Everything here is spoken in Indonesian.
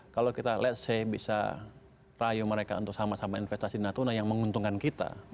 kalau kita ⁇ lets ⁇ say bisa rayu mereka untuk sama sama investasi di natuna yang menguntungkan kita